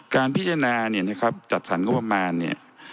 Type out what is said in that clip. การพิจารณาเนี่ยนะครับจัดสรรงบประมาณเนี่ย